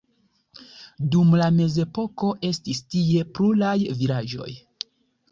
Dum la mezepoko estis tie pluraj vilaĝoj.